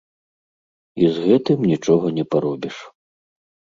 І з гэтым нічога не паробіш.